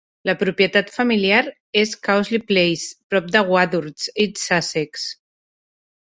La propietat familiar és Cousley Place, prop de Wadhurst, East Sussex.